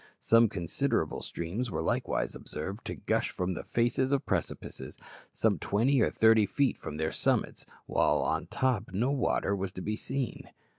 Some considerable streams were likewise observed to gush from the faces of precipices, some twenty or thirty feet from their summits, while on the top no water was to be seen.